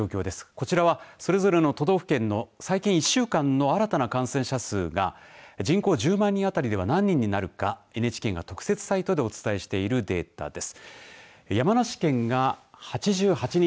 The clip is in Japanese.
こちらはそれぞれの都道府県の最近１週間の新たな感染者数が人口１０万人当たりでは何人になるかＮＨＫが特設サイトでお伝えしているデータです。